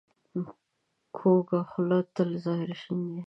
کوږه خوله تل زهر شیندي